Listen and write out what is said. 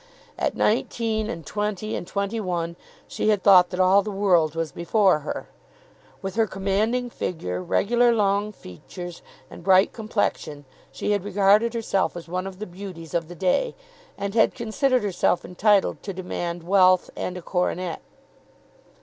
At nineteen and twenty and twenty one she had thought that all the world was before her. With her commanding figure, regular long features, and bright complexion, she had regarded herself as one of the beauties of the day, and had considered herself entitled to demand wealth and a coronet.